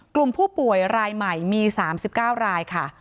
กลุ่มผู้ป่วยรายใหม่มี๓๙รายค่ะ